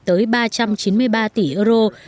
tới ba trăm chín mươi ba tỷ euro